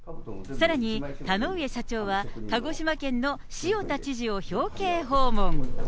さらに、田ノ上社長は、鹿児島県の塩田知事を表敬訪問。